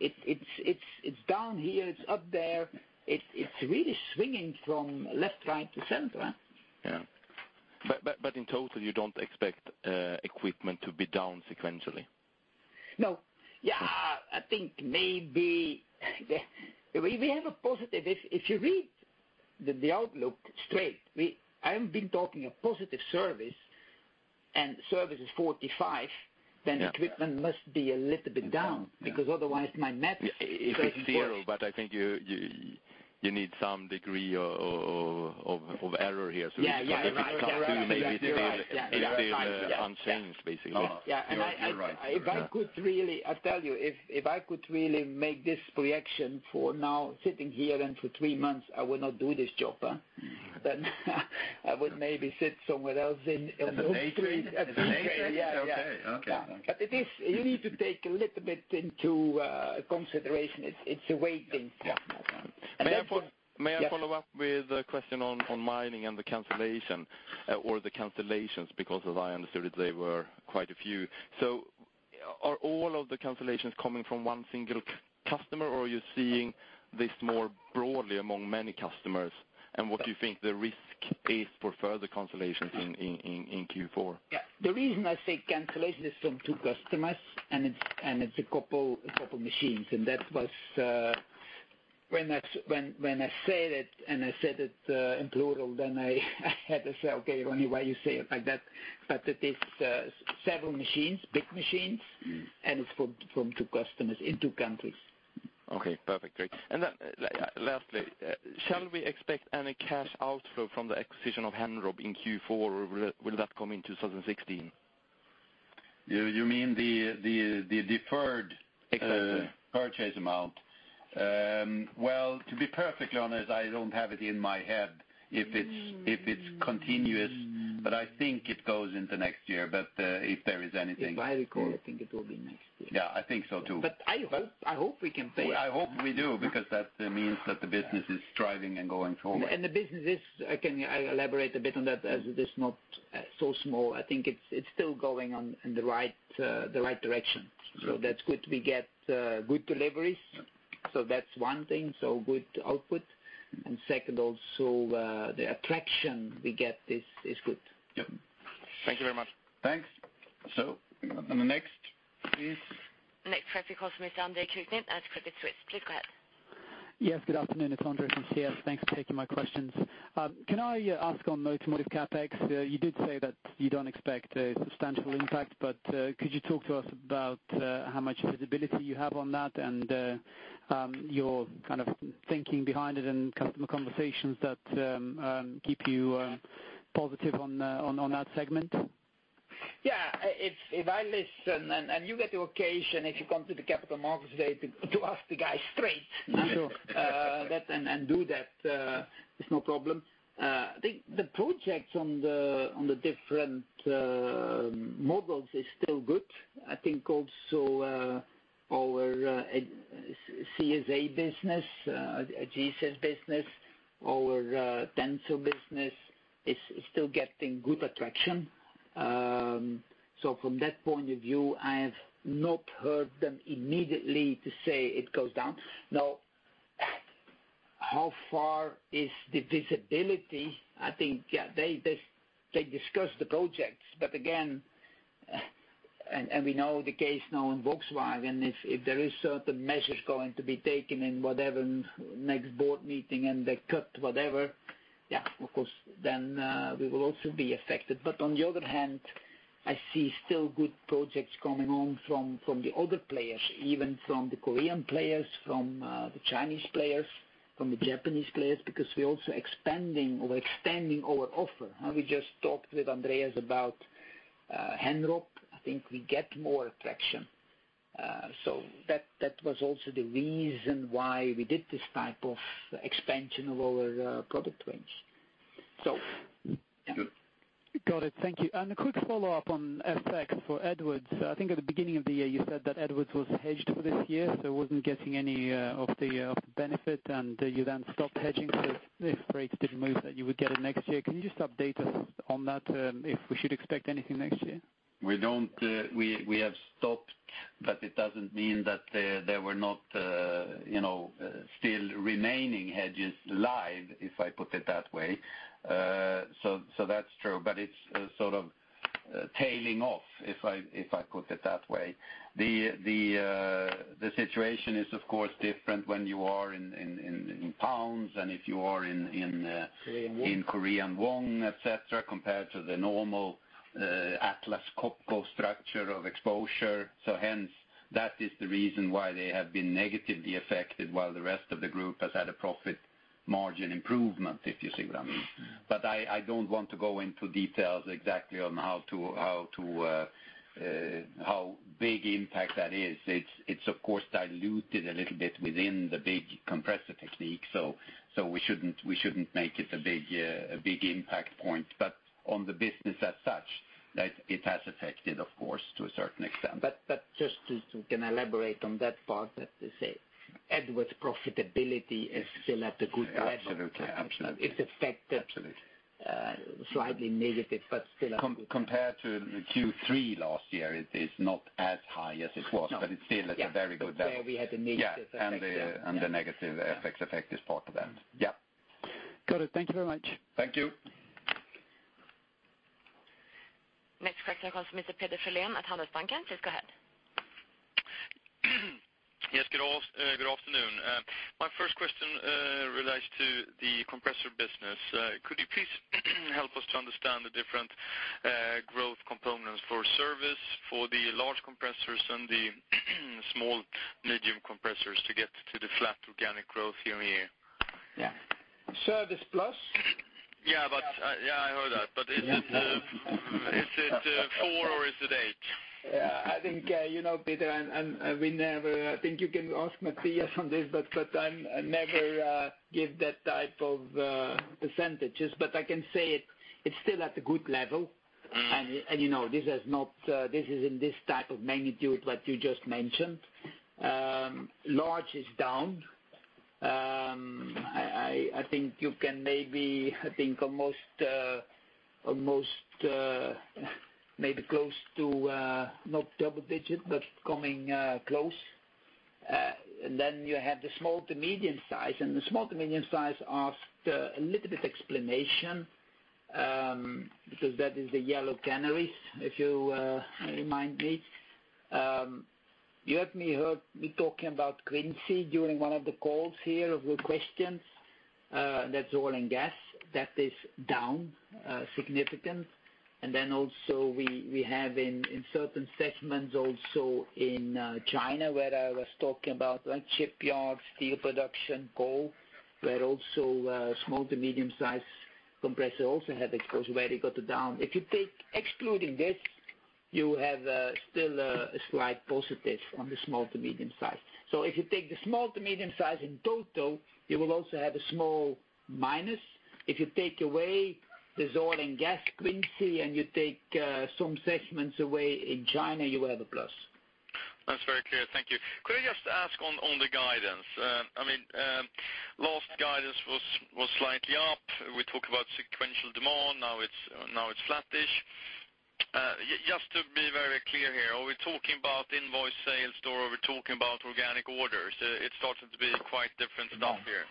It's down here, it's up there. It's really swinging from left, right to center. Yeah. In total, you don't expect equipment to be down sequentially? No. I think we have a positive. If you read the outlook straight, I haven't been talking a positive service. Service is 45%, equipment must be a little bit down, because otherwise my math is straightforward. If it's zero, I think you need some degree of error here. You're right. If it's come through, it is unchanged. Yeah. You're right. If I could really, I tell you, if I could really make this projection for now sitting here and for three months, I would not do this job. As a matrix? Okay. Yeah. Okay. You need to take a little bit into consideration. It's a waiting stuff. May I follow up with a question on mining and the cancellation, or the cancellations, because as I understood it, they were quite a few. Are all of the cancellations coming from one single customer, or are you seeing this more broadly among many customers? What do you think the risk is for further cancellations in Q4? Yeah. The reason I say cancellation is from two customers, and it's a couple of machines. That was, when I said it, and I said it in plural, then I had to say, "Okay, Ronnie, why you say it like that?" It is several machines, big machines, and it's from two customers in two countries. Okay. Perfect. Great. Lastly, shall we expect any cash outflow from the acquisition of Henrob in Q4, or will that come in 2016? You mean the deferred- Exactly purchase amount? Well, to be perfectly honest, I don't have it in my head if it's continuous, but I think it goes into next year. If I recall, I think it will be next year. Yeah, I think so too. I hope we can pay. I hope we do, because that means that the business is thriving and going forward. The business is, I can elaborate a bit on that, as it is not so small. I think it's still going in the right direction. That's good. We get good deliveries. That's one thing. Good output. Second, also, the attraction we get is good. Yep. Thank you very much. Thanks. On the next, please. Next for is from Andre Kuklin at Credit Suisse. Please go ahead. Yes, good afternoon. It's Andre from CS. Thanks for taking my questions. Can I ask on automotive CapEx? You did say that you don't expect a substantial impact, but could you talk to us about how much visibility you have on that and your kind of thinking behind it and customer conversations that keep you positive on that segment? Yeah, if I listen and you get the occasion, if you come to the Capital Markets Day to ask the guy. Sure Do that, it's no problem. The projects on the different models is still good. I think also our CSA business, GSS business, our Tensor business is still getting good attraction. From that point of view, I have not heard them immediately to say it goes down. How far is the visibility? I think, yeah, they discuss the projects, again, we know the case now in Volkswagen, if there is certain measures going to be taken in whatever next board meeting and they cut whatever, yeah, of course then we will also be affected. On the other hand, I see still good projects coming on from the other players, even from the Korean players, from the Chinese players, from the Japanese players, because we're also expanding our offer. We just talked with Andreas about Henrob. I think we get more attraction. That was also the reason why we did this type of expansion of our product range. Yeah. Got it. Thank you. A quick follow-up on FX for Edwards. I think at the beginning of the year you said that Edwards was hedged for this year, it wasn't getting any of the benefit, you then stopped hedging, if rates did move that you would get it next year. Can you just update us on that, if we should expect anything next year? We have stopped, it doesn't mean that there were not still remaining hedges live, if I put it that way. That's true, it's sort of tailing off, if I put it that way. The situation is of course different when you are in pounds than if you are in- Korean won in Korean won, et cetera, compared to the normal Atlas Copco structure of exposure. Hence, that is the reason why they have been negatively affected while the rest of the group has had a profit margin improvement, if you see what I mean. I don't want to go into details exactly on how big impact that is. It's of course diluted a little bit within the big Compressor Technique, we shouldn't make it a big impact point. On the business as such, it has affected, of course, to a certain extent. Just to elaborate on that part, to say Edwards' profitability is still at a good level. Absolutely. It's affected. Absolutely slightly negative, but still at a good level. Compared to Q3 last year, it is not as high as it was. No It's still at a very good level. Where we had the negative effect. Yeah. The negative FX effect is part of that. Yeah. Got it. Thank you very much. Thank you. Next question comes from Mr. Peder Sjölén at Handelsbanken. Please go ahead. Yes, good afternoon. My first question relates to the compressor business. Could you please help us to understand the different growth components for service for the large compressors and the small medium compressors to get to the flat organic growth year-on-year? Yeah. Service plus. Yeah, I heard that. Is it four or is it eight? Yeah, I think you know, Peder, and I think you can ask Mattias on this, but I'm never give that type of %. I can say it's still at a good level. This is in this type of magnitude what you just mentioned. Large is down. I think you can maybe, I think almost maybe close to not double-digit, but coming close. You have the small to medium size, and the small to medium size asked a little bit explanation, because that is the yellow canary, if you remind me. You have heard me talking about Quincy during one of the calls here of your questions, that's oil and gas. That is down significant. Also we have in certain segments also in China where I was talking about like shipyards, steel production, coal, where also small-to-medium-size compressor also have exposure where they got down. If you take excluding this, you have still a slight positive on the small to medium size. If you take the small to medium size in total, you will also have a small minus. If you take away this oil and gas, Quincy, and you take some segments away in China, you have a plus. That's very clear. Thank you. Could I just ask on the guidance? Last guidance was slightly up. We talked about sequential demand. Now it's flattish. Just to be very clear here, are we talking about invoice sales, or are we talking about organic orders? It started to be quite different down here.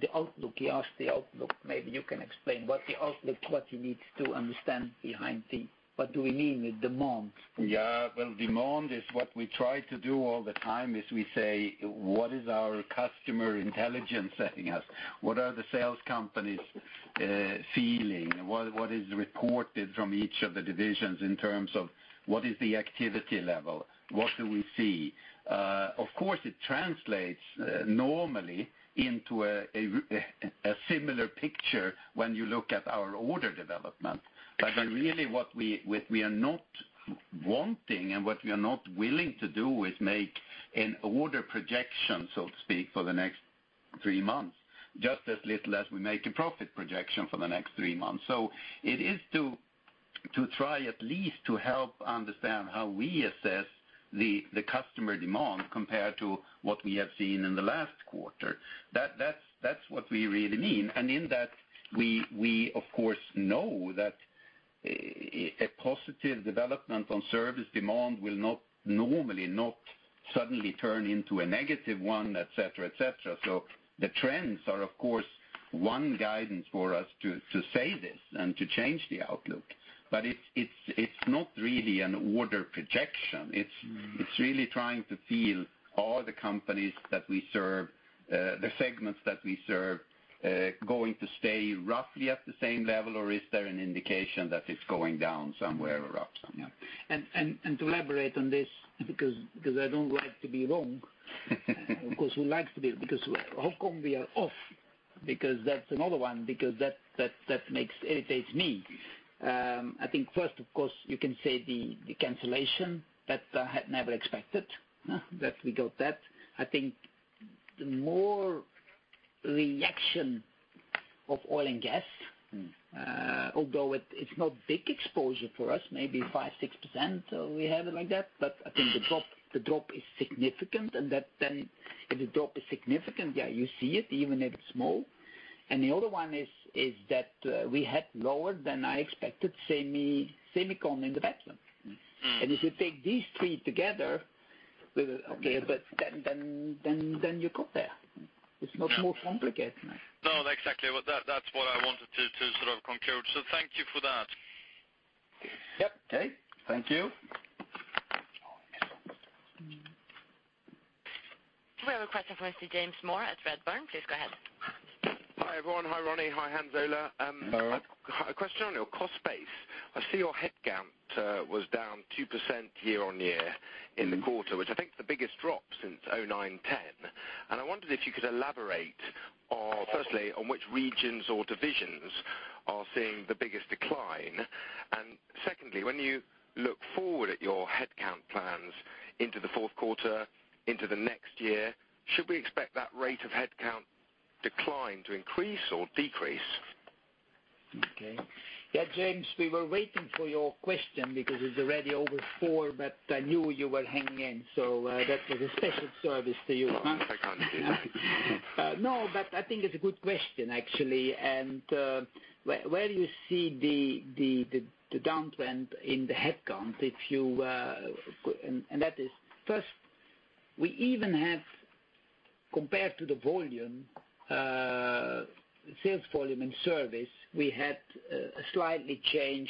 The outlook. He asked the outlook. Maybe you can explain what the outlook, what you need to understand behind what do we mean with demand? Yeah. Well, demand is what we try to do all the time, is we say What is our customer intelligence telling us? What are the sales companies feeling? What is reported from each of the divisions in terms of what is the activity level? What do we see? Of course, it translates normally into a similar picture when you look at our order development. Yes. Really what we are not wanting and what we are not willing to do is make an order projection, so to speak, for the next three months, just as little as we make a profit projection for the next three months. It is to try at least to help understand how we assess the customer demand compared to what we have seen in the last quarter. That's what we really mean. In that, we of course, know that a positive development on service demand will normally not suddenly turn into a negative one, et cetera. The trends are, of course, one guidance for us to say this and to change the outlook. It's not really an order projection. It's really trying to feel all the companies that we serve, the segments that we serve, going to stay roughly at the same level, or is there an indication that it's going down somewhere or up somewhere? To elaborate on this, because I don't like to be wrong. How come we are off? That's another one, because that irritates me. I think first, of course, you can say the cancellation that I had never expected, that we got that. I think the more reaction of oil and gas- although it's not big exposure for us, maybe five, 6%, we have it like that. I think the drop is significant, and that then if the drop is significant, yeah, you see it, even if it's small. The other one is that we had lower than I expected semiconductor in the background. If you take these three together. Okay, you got there. It is not more complicated. No, exactly. That is what I wanted to sort of conclude. Thank you for that. Yep. Okay. Thank you. We have a request from James Moore at Redburn. Please go ahead. Hi, everyone. Hi, Ronnie. Hi, Hans Ola. Hello. A question on your cost base. I see your headcount was down 2% year-on-year in the quarter. which I think the biggest drop since 2009, 2010. I wondered if you could elaborate on, firstly, on which regions or divisions are seeing the biggest decline. Secondly, when you look forward at your headcount plans into the fourth quarter, into the next year, should we expect that rate of headcount decline to increase or decrease? Okay. Yeah, James, we were waiting for your question because it's already over four, I knew you were hanging in. That was a special service to you. I can't hear. No, I think it's a good question, actually. Where you see the downtrend in the headcount, that is, first, we even have, compared to the volume, sales volume and service, we had a slight change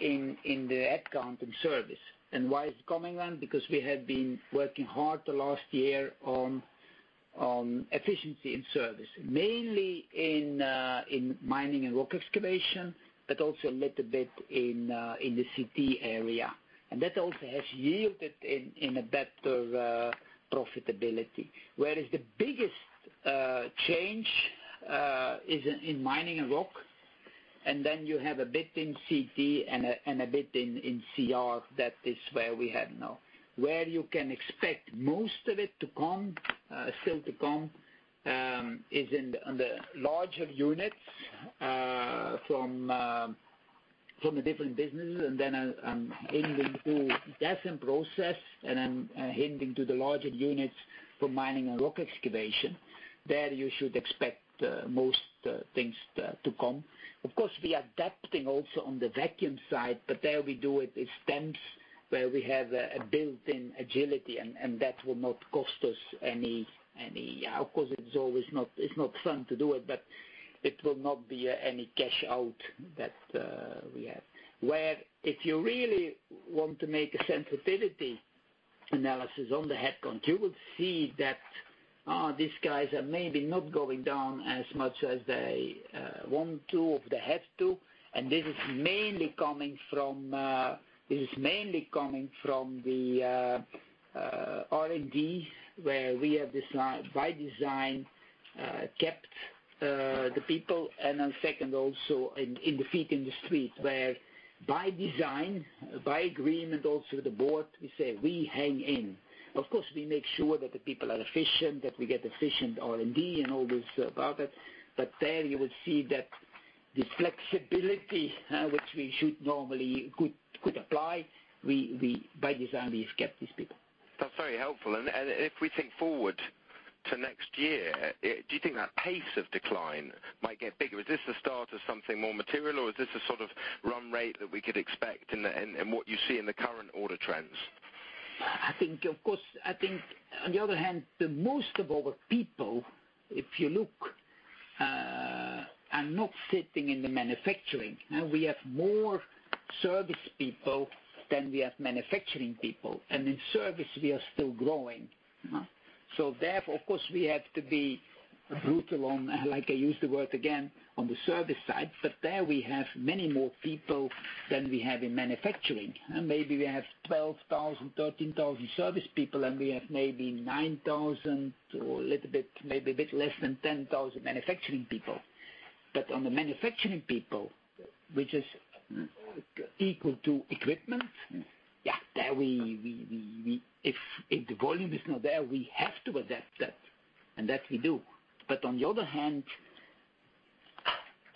in the headcount and service. Why it's coming then? Because we have been working hard the last year on efficiency in service, mainly in Mining and Rock Excavation, but also a little bit in the CT area. That also has yielded in a better profitability. The biggest change is in Mining and Rock, and then you have a bit in CT and a bit in CR. That is where we had now. Where you can expect most of it to come, still to come, is in the larger units from the different businesses, I'm hinting to that in process, I'm hinting to the larger units for Mining and Rock Excavation. There you should expect most things to come. Of course, we are adapting also on the vacuum side, there we do it in stems where we have a built-in agility, that will not cost us any. Of course, it's not fun to do it will not be any cash out that we have. Where if you really want to make a sensitivity analysis on the headcount, you will see that these guys are maybe not going down as much as they want to or they have to, this is mainly coming from the R&D, where we have, by design, kept the people, second, also in the feet in the street, where by design, by agreement also with the board, we say we hang in. Of course, we make sure that the people are efficient, that we get efficient R&D, all this about it. There you will see that the flexibility which we should normally could apply, by design, we have kept these people. That's very helpful. If we think forward to next year, do you think that pace of decline might get bigger? Is this the start of something more material, or is this a sort of run rate that we could expect in what you see in the current order trends? I think, of course, I think on the other hand, the most of our people, if you look Are not sitting in the manufacturing. We have more service people than we have manufacturing people, and in service, we are still growing. Therefore, of course, we have to be brutal on, like I use the word again, on the service side, but there we have many more people than we have in manufacturing. Maybe we have 12,000, 13,000 service people, and we have maybe 9,000 to a little bit, maybe a bit less than 10,000 manufacturing people. On the manufacturing people, which is equal to equipment. If the volume is not there, we have to adapt that, and that we do. On the other hand,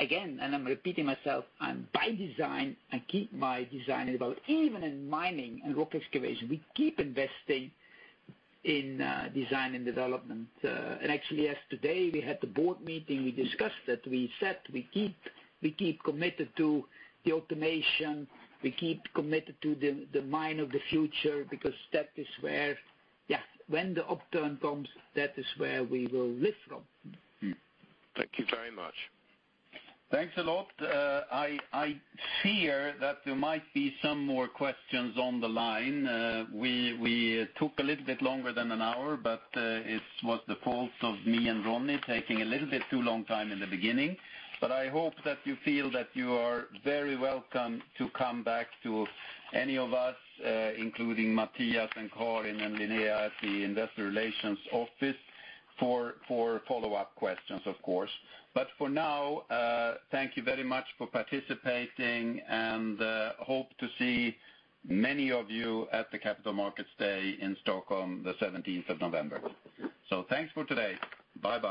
again, and I'm repeating myself, by design, I keep my design level. Even in mining and rock excavation, we keep investing in design and development. Actually, as today, we had the board meeting, we discussed that. We said we keep committed to the automation. We keep committed to the mine of the future, because that is where, when the upturn comes, that is where we will lift from. Thank you very much. Thanks a lot. I fear that there might be some more questions on the line. We took a little bit longer than an hour, it was the fault of me and Ronnie taking a little bit too long time in the beginning. I hope that you feel that you are very welcome to come back to any of us, including Mattias and Corin and Linnea at the investor relations office for follow-up questions, of course. For now, thank you very much for participating, and hope to see many of you at the Capital Markets Day in Stockholm, the 17th of November. Thanks for today. Bye-bye